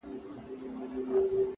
اخلاص د الفاظو ارزښت زیاتوي،